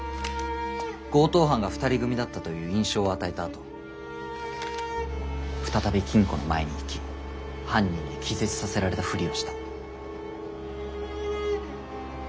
強盗犯が２人組だったという印象を与えたあと再び金庫の前に行き犯人に気絶させられたフリをした。